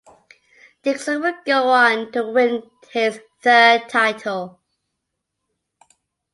Dixon would go on to win his third title.